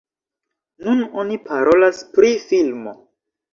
Nun oni parolas pri filmo.